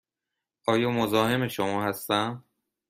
آیا مزاحم شما هستم؟